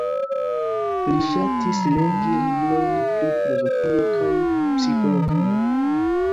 Li ŝatis legi librojn pri filozofio kaj psikologio.